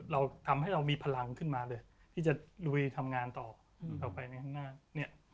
เราทำให้เรามีพลังขึ้นมาเลยที่จะลุยทำงานต่อต่อไปในข้างหน้าเนี่ย